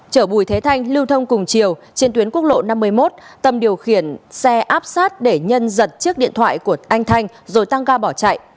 chở bùi thế thanh lưu thông cùng chiều trên tuyến quốc lộ năm mươi một tâm điều khiển xe áp sát để nhân giật chiếc điện thoại của anh thanh rồi tăng ga bỏ chạy